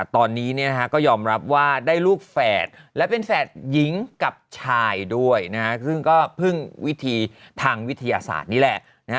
ตอนนี้ก็ยอมรับว่าได้ลูกแฝดและเป็นแฝดหญิงกับชายด้วยซึ่งก็พึ่งวิธีทางวิทยาศาสตร์นี่แหละ